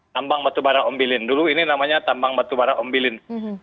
tambang batubara ombilin dulu ini namanya tambang batubara ombilin